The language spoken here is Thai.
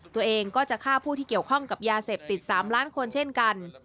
ตัวเองก็จะฆ่าผู้ที่เกี่ยวข้องกับยาเสพติด๓ล้านคนเช่นกัน